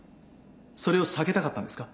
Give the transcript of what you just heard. それを避けたかったんですか。